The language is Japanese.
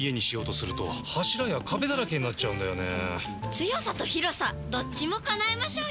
強さと広さどっちも叶えましょうよ！